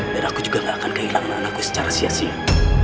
dan aku juga gak akan kehilangan anakku secara sia sia